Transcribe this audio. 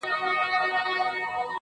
څه بې غږه تلل